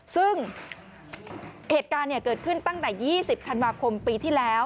ซึ่งเหตุการณ์เกิดขึ้นตั้งแต่๒๐ธันวาคมปีที่แล้ว